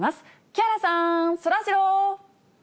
木原さん、そらジロー。